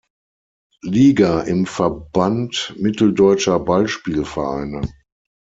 Liga im Verband Mitteldeutscher Ballspiel-Vereine.